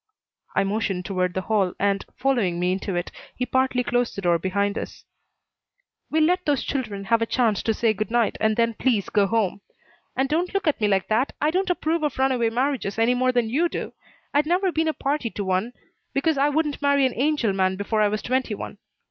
I motioned toward the hall and, following me into it, he partly closed the door behind us. "We'll let those children have a chance to say good night, and then please go home. And don't look at me like that! I don't approve of runaway marriages any more than you do. I'd never be a party to one, because I wouldn't marry an angel man before I was twenty one.